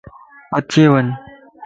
اڇي وڃ